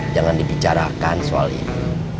jangan dibicarakan soal ini